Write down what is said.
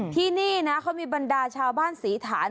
ที่นี่นะเขามีบรรดาชาวบ้านศรีฐาน